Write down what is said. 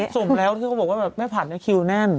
สมแล้วที่เขาบอกว่าแบบแม่ผัดเนี่ยคิวแน่น